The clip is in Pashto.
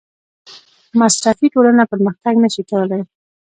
مصرفي ټولنه پرمختګ نشي کولی.